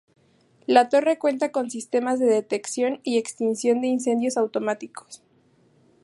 La torre cuenta con sistemas de detección y extinción de incendios automáticos.